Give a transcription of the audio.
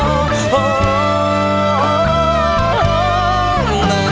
เมื่อจะมีรักใหม่